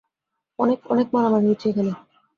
অনেক, অনেক মারামারি হইছে এখানে।